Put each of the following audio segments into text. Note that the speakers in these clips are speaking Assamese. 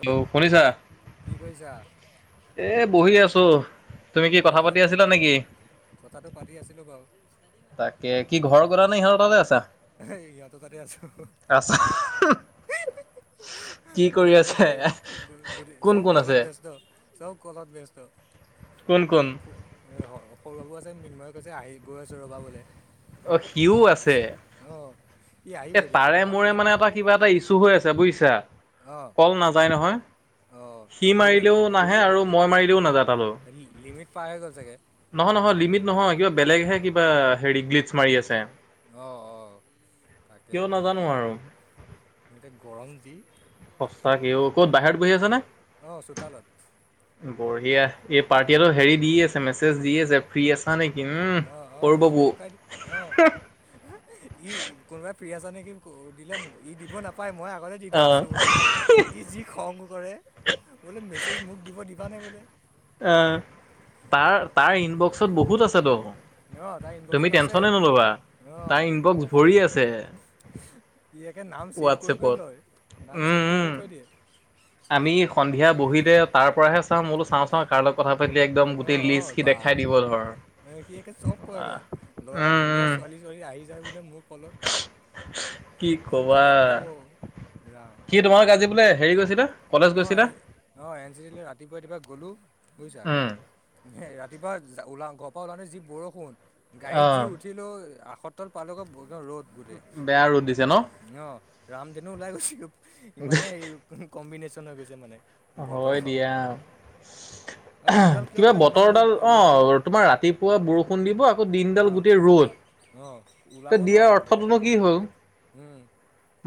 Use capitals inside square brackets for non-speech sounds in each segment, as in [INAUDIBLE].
হেল্ল' শুনিছা কি কৰিছা এ বহি আছো তুমি কি কথা গৰম পাতি লাই আছিলা নেকি কথাটো পাতি আছিলো বাৰু তাকে কি ঘৰৰ গ নাই সিহঁতৰ তাতে আছা সিহঁতৰ তাতে আছো। আছা কি কৰি গোটেই মখা আছে? বহি কোন চব কোন কলত আছে? ব্যস্ত চব কলত ব্যস্ত কোন কোন? সৰু বাবু আছে মৃন্ময় কৈছে আহি গৈ আছো ৰবা বোলে অ' সিও আছে অঁ ই আহিব এ এতিয়া তাৰে ঘৰত মোৰে ভাতকেইটা খা মানে এটা কিবা এটা ইছ্যু হৈ আছে বুজিছা অঁ কল নাযায় নহয় অঁ সি লিমিট মাৰিলেও নাহে আৰু মই মাৰিলেও নাযায় তালৈ লিমিট পাৰ হৈ গ'ল চাগে নহয় নহয় লিমিট নহয় কিবা বেলেগহে কিবা হেৰি গ্লিটছ মাৰি আছে। অ', অ' কিয় নাজানো আৰু এতিয়া গৰম যি সঁচাকে অ' ক'ত বাহিৰত বহি আছেনে অ', চোতালত এয়া এই পাৰ্টিটো হেৰি দি আছে, মেছেজ দি আছে, ফ্ৰী আ নেকি? উম, সৰু বাবু অ, ই কোনোবাই প্ৰিয়াজ নেকি। দিলে ই দিব নাপায়, মই আগতে দি দিওঁ আহ আছোঁ বুলি ই যি খং কৰে। বোলে মেছেজ মোক দিব, দিবা নে বোলে। এ, তাৰ, তাৰ ইনবক্সত বহুত আছেত অঁ তাৰ তুমি ইনবক্সত আছে টেনশচনে নল'বা, অঁ তাৰ ইনবক্স ভৰি আছে। ই একে নাম চছেভ কৰি, কৰি হোৱাটছএপত লয়, নাম উম চছেভ কৰি, উম কৰি থৈ দিয়ে। আমি সন্ধিয়া বহিতে তাৰ পৰাহে চাওঁ মইয়ো চাওঁ, চাওঁ কাৰ লগত কথা পা একদম গোটেই লিষ্ট দেখাই দিব ধৰ মান সি চব কগে আহ ল'ৰা উম ধুনীয়া উম ছোৱালী, ছোৱালী আহি যায় বোলে মোৰ কলত কি যি কবা কথা ক'ব কি তোমাক আজি বোলে হেৰি গৈছিল দা অ', অ', এন চি চি লৈ ৰাতিপুৱা ৰাতিপা গ'লো বুজিছা। উম হ, ৰাতিপুৱা ওলা ঘৰ পৰা ওলা নে যি বৰষুণ অ গাড়ীত যি উঠিলো কটল পালক ৰ'দ গোটেই বেয়া ৰ'দ দিছে ন অ, ৰামদনু ওলাই গৈছে। ইমানে হে কম্বিনেচন হৈ গৈছে মানে। বতৰৰ হয়, দিয়া। আৰু দিনডাল কিয় কিবা কৰে ইমান ৰ'দ বতৰডাল অ, ৰ'দ দিয়ে তোমাৰ ৰাতিপুৱা বৰষুণ দিব আকৌ দিনডাল গোটেই ৰ'দ। আহ, তে ওলাব নোৱি দিয়াৰ ত, অৰ্থটোনো কি হ'ল? ঘৰত উম।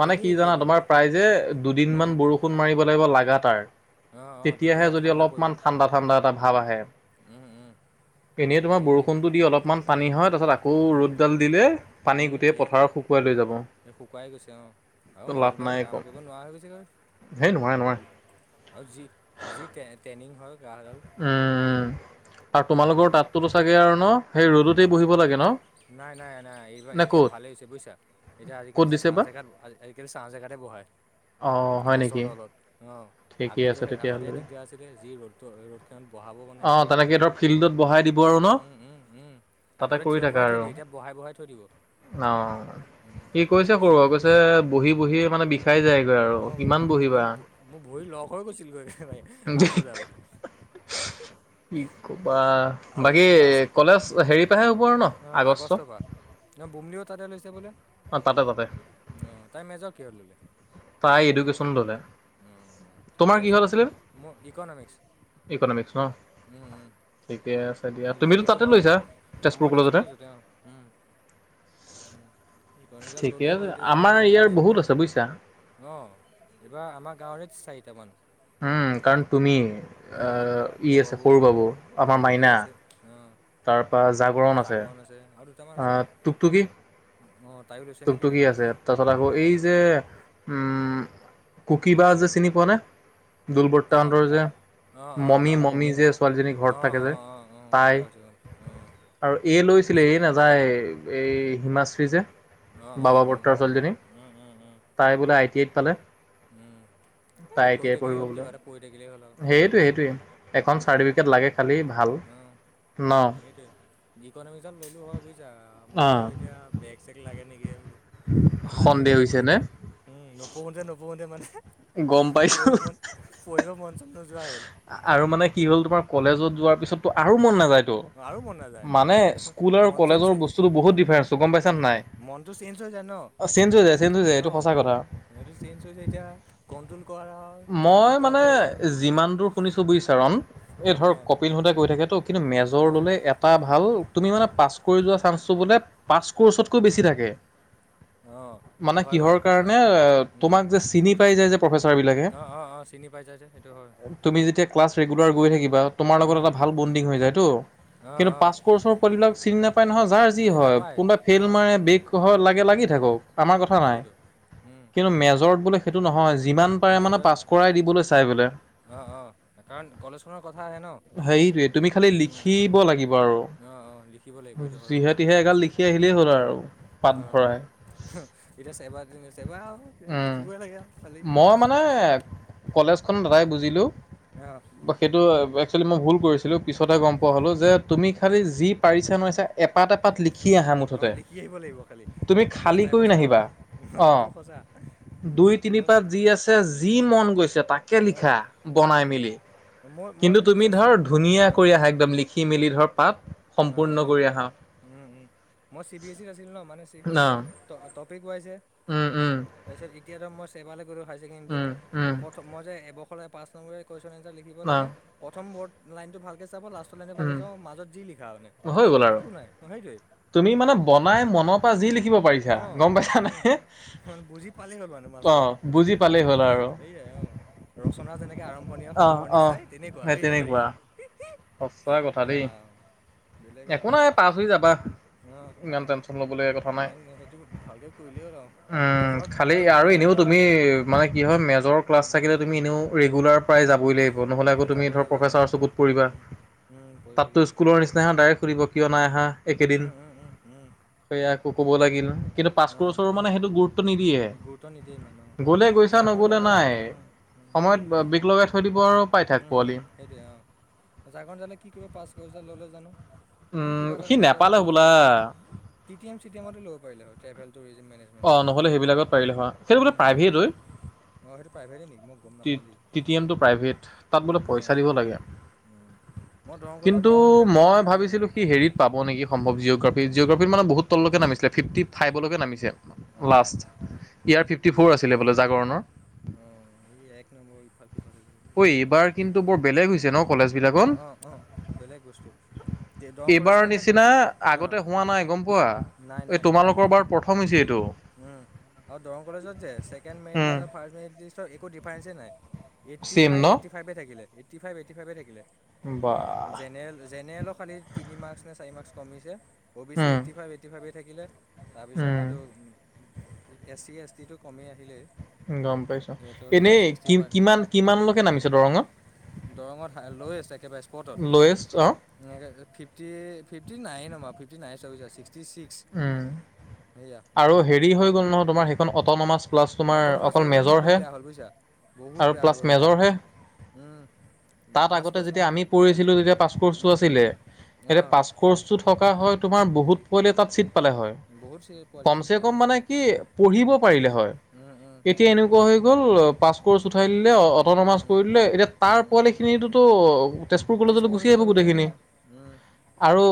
মানে কি এনেই জানা দিয়ে গ তোমাৰ প্ৰায় যে দুদিন উম মমান বৰষুণ মাৰিব। অঁ অঁ তেয়াহে তেতিয়াহে যদি ঠাণ্ডা পৰিব অলপমান ঠাডা, ঠা এটা ভাব আহে। উম, উম। এনে তোমাৰ এই বৰষুণতটো দি অলপমান পানী হয়। তাৰ পিছত আকৌ উম, ৰ'দডাল দিলে পানী উম, গোটেই এই পথাৰত শুকুৱাই লৈ যাব। এই শুকুৱাই গৈছে অ, আৰু লাভ নাই মানুহবিলাকে একো। কাম কৰিব নোৱাৰা হৈ গৈছেগৈ। হেই নোৱাৰে নোৱাৰে। আৰু যি, যি ট্ৰেইনিং হয় গডল উম। আৰু তোমালোকৰ তাঁতটোতো চাগে আৰু ন সেই এই বা ৰ'দতেই বহিব লাগে ন। নাই, নাই, নাই এইবাৰ নে এতিয়া ক'ত ভালেই হৈছে বুজিছা এতিয়া আজিকালি ক'ত দিছে চাহ বা? জেগাত আজিকালি চাহ জেগাতে বহায়। অ' হয় গছৰ নেকি? তলত অ, ঠিকেই আগতে, আছে আগতেহে তেতিয়াহ'লে দিগদাৰ আছিলে যি ৰ'দ ৰ'দখননত বঢহাব মানে। অঁ তেনেকে ফিল্ডত বঢহাই দিব আৰু ন। উম উম উম তাতে আগতে থিয় কৰাই থৈ দিয়ে। এতিয়া বহাই, বঢ়াই থৈ দিব। অ, উম ই কৈছে কৰ আৰু কৈছে বহি, বহি মানে বিশেষ অ, ম, মোৰ, মোৰ ভৰি লগ হৈ গৈছিল, গৈ নাই আঁঠুডাল [INAUDIBLE] কি কবা আৰু বাকী নাচ কলেজ হেৰি পৰাহে হ'ব আৰু ন আগষ্ট ন, বুমলিও তাতে লৈছে বোলে অঁ তাতে তাতে আহ, তাই মেজৰ কিহত ললে? তাই এডুকেশ্যন ল'লে। অ'। তোমাৰ ঠিক আছে, কিহত আছিলে ম, ইকনমিক্স ইকনমিক্স ন উম, উম। ঠিকে আছে উ, দিয়া তুমিতো ললোতো তাতে হয় লৈছা অ, মই তেজপুৰ কলেজতে কছো তেওঁ উ, উ। ঠিকে আছে আমাৰ ইয়াৰ বহুত আছে বুজিছা। ন, এইবাৰ আমাৰ গাঁৱৰে চাইড উম, কাৰণ তুমি উম, আহ, ই আছে সৌবাবু সৰু বাবু আমাৰ বুমলি মাইনা আছে অ', তাৰপা জাগৰণ আছে, আৰু দুটামান আছে টুকটুকি অ', তাইও লৈছে নেকি? টুকটুকি আছে, তাৰপিছত আকৌ এই যে উম, কুকিব যে চিনি পোৱা নে, দোল অ', বৰ্তাহতৰ যে অ', অ', মমি, অ', মমি যে ছোৱালীজনী ঘৰত অ', থাকে যে অ', অ', অ', গম তাই। পাইছোঁ গম পাইছোঁ অ', আৰু এ, লৈছিলে এ, চব নাযায়। এই হিমাশ্ৰী যে, অ', বাবা, অ', বৰতা অ', ছোৱালীজনী, উম, উম, উম, তাই বোলে আই টিত উম, এ কৰি থাকিলেই হ'ল। কিবা এটা কৰি থাকিলে। সেইটোৱেই, সেইটোৱেই, এখন চাৰ্টিফিকেট লাগে খালি। ভাল, ন? তাকে ইকনমিক্সত ল'লো। হয়, বুজিছা? মই অ এতিয়া বেগ-চেগ লাগে নেকি বোলো। এলাহ নে সন্দেহ এতিয়া? হৈছে পুন উম, নোপোহোঁতে, নোপোহোঁতে, মানে গম পাইছোঁ। পঢ়িব মন পঢ়িব মন চন নোযোৱা হ'ল আৰু- মানে, কি হ'ল? তোমাৰ কলেজত যোৱাৰ পিছতো আৰু মন নাযায়। টো, আৰু মন নাযায় মানে, স্কুল আৰু মন চন কলেজৰ বস্তুটো বহুত ডিফাৰেন্স। গম পাইছা, নাই? তই জান, চেঞ্জ হৈ যায় চেঞ্জ হৈ অ', যায় এইটো সঁচা কথা। [UNINTELLIGIBLE] চেঞ্জ হৈ যায় এতিয়া। কণ্ট্ৰ'ল কৰা। মই, কণ্ট্ৰল মানে, কৰাটোৱে যিমানটো শুনিছোঁ, বুজিছা, ৰণ, এই ধৰ অ কপিলহঁতে কয়। [UNINTELLIGIBLE] হৈ থাকেতো। কিন্তু মেজৰ অ ল'লে, এটা ভাল। তুমি, মানে, পাছ কৰি যোৱা চান্সটো বোলে পাছ ক'ৰ্ছতকৈ বেছি থাকে। অ সেইটো মানে, হয় কিহৰ বাৰু কাৰণে, এ? উম তোমাক যে চিনি পায়, যে ছাৰবিলাকে, অ অ অ চিনি পাইছা যে সেইটো হয় তুমি যেতিয়া ক্লাছ ৰেগুলাৰ কৰি থাকি বা, তোমাৰ লগত উম এটা ভাল বণ্ডিং হৈ যায়, তো। অ কিন্তু অ পাছ ক'ৰ্চৰ পোৱালিবিলাক চিন নাপায় নহয়, যাৰ যি এই হয়, নাপায় কোনবাই অ ফেইল মাৰে, বেগ হয়, লাগে লাগি থাক। উম [UNINTELLIGIBLE] আমাৰ কথা নাই, সেইটোৱেতো উম কিন্তু মেজৰ বুলি সেইটো নহয়। যিমান পাৰে, মানে, মেজত পাছ কৰাই দিবলৈ চাই বোলে। অ', অ', কাৰণ কলেজখনৰ কথা আহে ন' সেইটোৱে, তুমি খালি উম, লিখিব লাগিব, আৰু। অ', অ', লিখিব লাগিব এইটো হয়। যিহে-তিহে এগাল লিখি আহিলেই হ'ল, আৰু। পাত অ', ভৰাই। এতিয়া চেবা-চেবা আও উম লিখিবই লাগে, আৰু খালি। মই, মানে, কলেজখন দাদাই বুজিলোঁ, অ', সেটো [UNINTELLIGIBLE] এক্সোৱেলি, মই ভুল কৰিছিলোঁ। পিছতে গম পোৱা হ'ল, [UNINTELLIGIBLE] যে তুমি খালি যি পাৰিছা, নোৱাৰিছা, এটা এটা পাত লি অ', লিখি আহিব লাগিব। খালি তুমি খালী কৰি এবস্তা-এবস্তা, এইটো সঁচা দুই-তিনি মোৰ পাত যি আছে, যি মন গৈছে, তাকে লিখা অ'। বনাই উম, মেলি। মই মই কিন্তু, তুমি বুজিছা চি ধৰ, ধুনীয়াকৈ অ', কৰি আহা, একদম লিখি মেলি ধৰ পাত। অ', সম্পূৰ্ণ অ', কৰি আহা উম, উম, মই চি বি এছ ইত আছিলোঁ ন, মানে, চি বি এছ ইত অঁ ট টপ। কোৱা যে উম উম তাৰপাছত এতিয়া ছেবালৈ গ'লো, হাইছেকেণ্ডটো উম উম অৰ্থৎ মই যে এবশ [UNINTELLIGIBLE] পাছ নম্বৰি কুৱেছন এন্সাৰ লিখিব অঁ লাগে। প্ৰথম বৰ্ড লাইনটো ভালকে। চাব, লাষ্ট লাইনটো ভালকৈ উম চাব, মাজত যি লিখ। হৈ গ'ল আৰু তুমি মানে বনাই মনৰ পৰা যি লিখিব। পাৰিছা অ', গম পাইছা উম, নাই [UNINTELLIGIBLE] বুজি পালেই হ'ল মানে অঁ মাষ্টৰে বুজি পালেই হ'ল সেইয়ে আৰু সেইয়ে, অ'। ৰচনা যেনেকৈ আৰম্ভণি, অ', সামৰণি অ', চাই, তেনেকুৱা এইদৰে। সঁচা কথা দে। বেলেগ একো আৰু নাই পাছ হৈ যাবা। অ ইমান টেনশ্যন ল'বলগীয়া কথা হয়। ইমান সেইটো ভালকৈ কৰিলেই হ'ল আৰু উ, মেজৰত খালি বেগ আৰু এনেও নালাগিলেই হ'ল তুমি, মানে কি হয় মেজৰ ক্লাচ থাকিলে তুমি এনেও ৰেগুলাৰ প্ৰায় যাবই লাগিব নহ'লে অ আকৌ তুমি যাবই ধৰ লাগিব অ প্ৰফেচাৰৰ চকুত পৰিবা উম উম পঢ়িবই তাততো লাগিব স্কুলৰ নিচি তাত ডাইৰেক্ সুধিব কিয় নাই আহা? উ, উ, উ, উ। সেয়া আকৌ ক'ব লাগিল, কিন্তু পাচ কৰ্চৰ মানে সেইটো গুৰুত্ব নিদিয়ে। গুৰুত্ব নিদিয়ে ইমান অ গ'লে গৈছা, জাগৰণ নগ'লে দালে কি নাই। অ সময়ত অ' বিগ লগাই থৈ দিব আৰু। পাই থাক উম-উম, পোৱালি। সেইটোৱে অ', জাৰখন জালে কি কৰিব, পাছ কৰি ল'লে জানো? এনেই উম, কিবা সি এটাত মেজৰ এটা নেপালে লৈ লব হ'বলা পাৰিলা হয়। T T M C T এমতে ল'ব পাৰিলা হয় ট্ৰেভেল টুৰিজিম মেনেজমেণ্টটো অ', নহলে সেইবিলাকত পাৰিলে হয়। সেইটো বোলে উম এনে প্ৰাইভেট হয়। অ সেইটো প্ৰাইভেটেই নিকি, মই গম নাপাওঁ দেই। ৱেইট, তাত বোলে অ পইচা দিব লাগে। উম। মই দৰং কলেজৰ কিন্তু, প্ৰথম দিনা গৈ মই অ ভাবিছিলো সি হেৰিত পাব নেকি সম্ভৱ জিঅ'গ্ৰাফ জিঅ'গ্ৰাফিত মানে বহুত তললৈকে নামিছিলে, ফিফটি ফাইভলৈকে নামিছে। অ লাষ্ট ইয়াৰ ফিফটি ফ'ৰ সেইটোতো আছিলে বোলে জাগৰণৰ অ এই এক নম্বৰ ইফাল সিফাল হৈ ঐ, এইবাৰ কিন্তু বৰ বেলেগ হৈছে ন। কলেজবিলাকত আহ অ', অ', বেলেগ বস্তু দৰং এইবাৰ কলেজখন যে নিচিনা অ আগতে হোৱা নাই গম পোৱা নাই এই নাই তোমালোকৰ বাৰ প্ৰথমচি আৰু দৰং কলেজত যে second merit um list third merit লিষ্টৰ একো ডিফাৰেঞ্চই নাই। এইটি চেম ন ফভট, ফভে থাকে এইটি ফভটি, ফাইভে থিলে বা জেনেল জেনেৰেলৰ খালি তিনি মাৰ্কচ নে চাৰি মাৰ্কচ কমিছে। অ' B C um eighty five, eighty ফাইভেই থাকিলে তাৰপিছত উম এইটো এ চি এছ টিটো কমেই আহিলেই। গম পাইছো সিহঁতৰতো আৰু এনেই ছিক্সটি কি পায় কিমান কিমানলৈকে নামিছে দৰঙত? দৰঙত লৈ আছে একেবাৰে লয়েষ্ট স্পটত এনেকৈ ফিফটি-ফিফটি নাইন নমা ফিফটি নাইন চাবিছোৱা ছিক্সটি ছিক্স সোৱা ফ্ৰী হৈ গ'ল নহয় তোমাৰ সখন অ'ন'মছ অ, অটনমাৰ চল বহুত বেয়া হ'ল বুজিছা আৰু বহুত বেয়া প্লাছ হৈ গেইখন, মেজৰহে উম। তাত পাছ আগতে কৰ্চ যেতিয়া নোৱাৰা। আমি পঢ়িছিলো। তেতিয়া পাছপৰ্চটো উম, আছিলে। এতিয়া অ', পাছ কৰ্চটো থকা হয়। তোমাৰ বহুত পোৱলে তাত ছিট পালে হয়। বহুত চি পোৱালি কম চিট চে পোৱালি কম হয়। মানে কি পঢ়িব পাৰিলে হয়। উম, উম, এতিয়া এনেকুৱা হৈ গল পাছ কৰ্ছ উঠাই দিলে অটনমাজ উম, কৰি দিলে এতিয়া তাৰ উম, উম, পোৱালি খিনি তেজপুৰ উম, কলে গু কলেজো আহ যাব লগা গিনি অ', উম, আৰু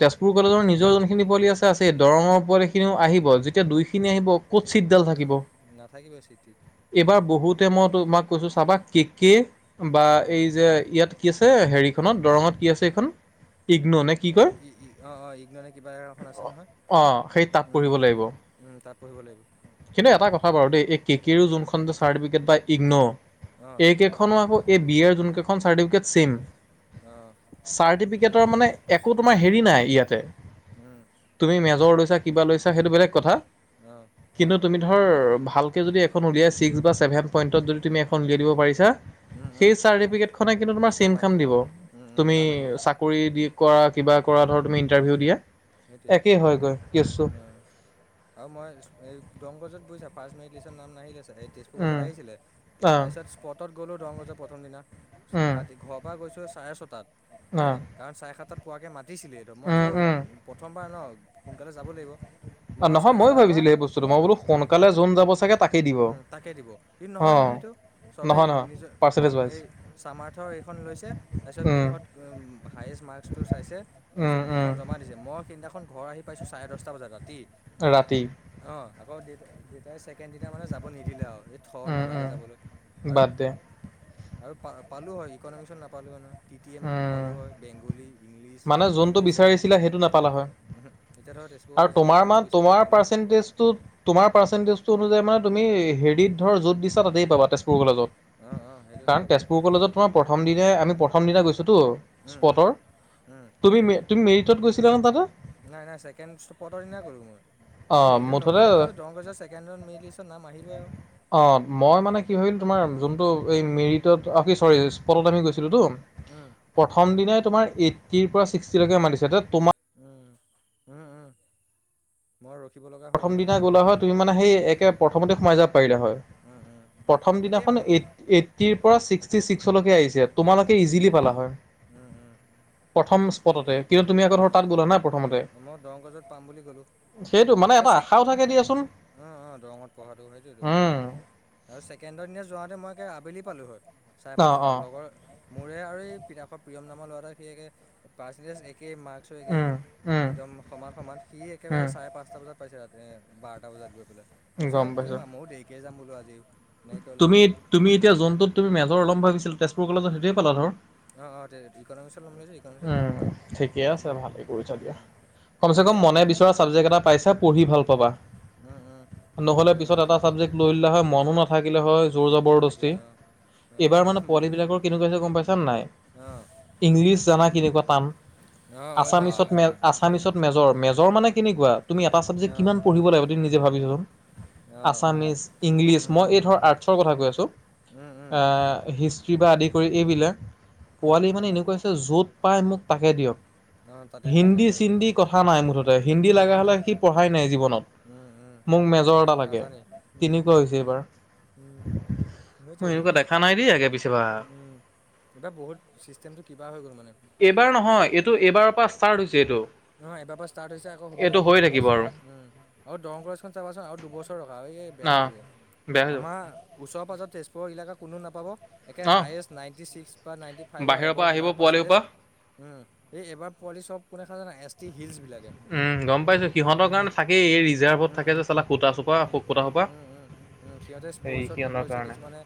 তেজপুৰ কলেজৰ নিজৰ যোনখিনি পোৱালি আছে-আছে দৰঙৰ পোৱালি খিনিও আহিব যেতিয়া দুইখিনি আহিব ক'ত চিতডাল উম, থাকিব নাথাকিবই চিট টিত এইবাৰ বহুত মই তোমাক কৈছো চাবা কে-কে বা অ', এই যে ইয়াত কি আছে। হেৰিখনত দৰঙত কি আছে এইখন ইগনো নেক্স অ', অ', ইগ্ন [UNINTELLIGIBLE] [UNINTELLIGIBLE] আছে নহয়, অ সেই তাত পঢ়িব লাগিব তাত পঢ়িব লাগিব। [UNINTELLIGIBLE] দেই এই কে কে‌ উম, যোনখন চাৰ্টিফিকট বা ইগন অ', এই কেখনো আকৌ এই বিয়েৰ যোনখন খন চাৰ্টিফিকেট ছেম। অ', সেই চাৰ্টিফিকেটৰ হ'ব মানে একো তোমাৰ হেৰি নাই ইয়াতে। উম, তুমি মেজৰ লৈছা, কিবা লৈছা, সেইটো বেলেগ কথা অ', কিন্তু তুমি ধ ধৰ ভালকৈ যদি এখন উলিয়াই ছিক্স বা ছেভেন পইণ্টত যদি তুমি এখন উলিয়াই দিব পাৰিছা। উম, সেই উম, চাৰ্টিফিকেটখনএ কিন্তু তোমাক ছেম কাম দিব, উম, উম, তুমি কাম আহিব চাকৰি দি কৰা কিবা কৰা ধৰ তুমি ইণ্টাৰভিউ দিয়া। সেইটোয়ে একেই হয়গৈ কেছটো। উ, আৰু মই এই দংগজত বৈ চাব। ফাৰ্ষ্ট মেৰিট লিষ্ট নাম নিলে এই তেজপুৰ গজত উম, আহিছিলে অ', তাৰপিছত স্পটত গ'লো ৰৰংগজৰ প্ৰথম দিনা। উম, ৰাতি ঘৰৰ পৰা গৈছো চাৰে ছটাত হে অ', কাৰণ চাৰে সাতটাত পোৱাকে মাতি পাতিছিল এইটো মই উম, চো উম। প্ৰথমবাৰ ন সোনকালে যাব লাগিব। মই নহয় চাৰে ময় ছটাৰ পৰা ভাবিছিলো সেই বস্তুটো মই বোলো সোনকালে যোন যাব চাগে তাকেই দিব তাকে দিব কিন্তু নহয় অ'। নহয় চবেই নহয় নহয় নিজৰ পাৰ্চেণ্টেজ ফৰ্ম ৱাইজ এই সামাৰথ এইখন লৈছে তাৰপিছত কোন উম, সহত উ হায়েষ্ট মাৰ্কচ টো চাইছে, তাৰ উম, পিছত উম, সেইখন জমা দিছে মই সেইদিনাখন ঘৰ আহি পাইছো চাৰে দহটা বজাত ৰাতি ৰাতি। অঁ আকৌ দ তাই ছেকেণ্ড দিনা মানে যাব নিদিলে আৰু এই থ, উম, নালাগে উম, যাবলৈ আৰু বাদ দে আৰু প, পালো হয় ইকনমিক্সত নাপালো মানো টি টম উম, পালো হয়, বেংগলী, ইংলি মানে যোনটো বিচাৰিছিলে সেইটো নাপ নাপালা হৈ, এতিয়া ধৰ আৰু তেজপুৰতে যিটো পালোঁ বিচাৰিছিলোঁ পালোঁ তোমাৰ পাৰ্চেন্টেজটোত যে মানে তুমি হেৰিত ধৰ যত দিছ তাতেই পাবা তে তেজপুৰ কলেজত অঁ অঁ সেইটোতে কাৰণ পালোঁ মই তেজপুৰ কলেজত তোমাৰ প্ৰথম দিনে আমি প্ৰথম দিনা গৈছোঁ। যটো উম উম স্পটৰ উম তুমি, তুমি মেৰিটত গৈছিলা ন তাতে? নাই, নাই ছেকেণ্ড স্পটৰ দিনাই গলো মই। মোৰ অ' মেৰিত মুঠতে নগ'ল মই দৰংগজ ছেকেড ৰাড মিলিছত নাম আহিবই আৰু। অ' মই মানে কি [UNINTELLIGIBLE] তোমাৰ যোনটো মেৰিটত কি চৰি আমি গৈছিলো টো উম প্ৰথম দিনাই তোমাৰ এই তিৰ পৰা ছিক্সটি লৈকে মাতিছে তে উম, উম, মই ৰখিব লগা হ'ল প্ৰথম মানে দিনা গ'লা হয় তুমি মানে সেই উম একে প্ৰথমতে সোমাই যাব পাৰিলা হয়। উম উম প্ৰথম একেই দিনাখন মই এইটিৰ পৰা ছিক্সটি ছিক্সলৈকে আহিছে তোমালোকে উম ইজিলি পালা হয়। উম, উম। প্ৰথম স্পটতে সেইটোৱে কিন্তু তুমি আকৌ ধৰ অঁ তাত গ'লা না প্ৰথমতে। মই সেইটো মানে [INAUDIBLE] আশাও থাকে দিয়াচোন। উম, অ', দৰঙত পঢ়াতটো সেইটোয়েতো উম আৰু ছেকেণ্ডৰ দিনা যোৱাহেতেন মই একে আবেলি পালো হয় চাৰে অ পাঁচট অ মান লগৰ মোৰে আৰু এই পিঠাখোৱাৰ প্ৰিয়ম নামৰ লৰা সেই একে পাৰ্চেণ্টেজ এক একেই মাৰ্ক্সো একেই উম উম একদম সমান সমান সি একেবাৰে উম চাৰে পাঁচটা বজাত পাইছে তাতে বাৰটা বজাত গৈ পেলাই, মই গম কৈছোঁ সি পাইছো ময়ো দেৰিকে যাম বোলো আজি। এনেকৈ ক'লে তুমি সি তুমি এতিয়া যোনটোত তুমি মেজৰ লম ভাবিছিলা তেজপুৰ কলেজত সেইটয়ে পালা ধৰ। অ', অ', ইকনমিক্স লম বুলি ভাবিছিলোঁ ইকনমিক্সত পালো উম, ঠিকে আছে সেইয়াই ভালেই কৰিছা দিয়া উম। কমচে কম মনে বিচৰা ছাবজেক্ট এটা পাইছে পঢ়ি ভাল পাবা। নহ'লে পিছত এটা ইকনমিক্সত ছাবজেক্ট লৈ ল'লা হয় মনো না থাকিলে হয় জোৰ একো জবৰদস্তি নাথাকিলে অঁ অঁ এইবাৰ মানে পোৱালিবিলাকৰ কেনেকুৱাছে গম পাইছা নে নাই? অঁ অঁ ইংলিছ জানা কেনেকুৱা টান, অঁ অঁ আছামিচত বাই মে আছামিচত মেজৰ মেজৰ মানে কেনেকুৱা তুমি এটা ছাবজেক্ট অঁ কিমান পঢ়িব লাগিব তুমি নিজে ভাবি চোৱাচোন অঁ আছামিছ, ইংলিছ মই এই ধৰ আৰ্টছৰ কথা কৈ আছোঁ অঁ হিষ্ট্ৰী বা আদি কৰি এইবিলাক অঁ পোৱালি মানে এনেকুৱা হৈছে য'ত পাই মোক তাকে দিয়ক। অ তাতে দিয়ক হিন্দী এইবাৰ চিন্দি কথা নাই উম মুঠতে হিন্দী একোৱে কথা লগা নাই হলে সি পঢ়াই নাই জীৱনত। উম উম মোক মেজৰ এটা একো লাগে নাজানেই উম তেনেকুৱা হৈছে এইবাৰ। উম, মই সেইটোৱেইটো। এনেকুৱা দেখা নাই দেই আগে পিছে বা। উম, এইবাৰ বহুত চিষ্টেমটো কিবা হৈ গ'ল মানে। এইবাৰ নহয় এইটো এইবাৰৰ পৰা ষ্টাৰ্ট হৈছে এইটো। নহয় এবাৰ পৰা ষ্টাৰ্ট হৈছে আকৌ হ'বই এইটো হৈ থাকিব আৰু উ দৰং কলেজখন চাবাচোন আৰু দুবছৰ ৰখা একে বেয়া অ হৈ যাব বেয়া হৈ যাব আমাৰ উচৰ পাজৰ তেজ পুৰৰ এলেকা কোনো নাপাব একে অ। হায়েষ্ট নাইণ্টি ছিক্স নাইনটি ফাইভৰ বাহিৰৰ পৰা এবোভ আহিব যাৰ পোৱালি পাৰ্চটেজ সোপা। উম, এবাৰ পোৱালি চব কোনে জানা এষ্টি হিলছ উম, গম পাইছো সিহঁতৰ কাৰণে থাকেই এই ৰিজাৰ্ভত থাকে যে চালা কুটা উম, সোপা কুটা সোপা। উম, উম, উম, সিহঁতে সেই স্পৰ্টচত সিহঁতৰ লৈছে কাৰণে কিছুমানে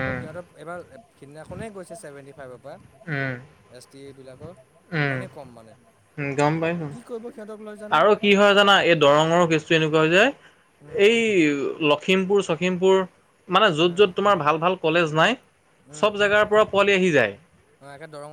আকৌ সিহঁতৰ এবাৰ সিদিনাখনেই গৈছে চেভেনটি ফাইভৰ পৰা উম এছ টি এইবিলাকৰ উম ইমানেই কম মানে। উম গম পাইছো কি কৰিব সিহঁতক লৈ জানো আৰু কি হয় জানা এই দৰঙৰো কেছটো এনেকুৱা হৈ যায়। উম, এই লখিমপুৰ চখীমপুৰ মানে য'ত উম, য'ত তোমাৰ ভাল ভাল কলেজ নাই উম, চব জেগাৰ পৰা পোৱালি আহি যায়। অ', একে দৰং